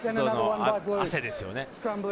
あと汗ですよね。